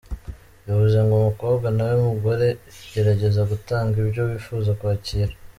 Bivuze ngo mukobwa nawe mugore, gerageza gutanga ibyo wifuza kwakira.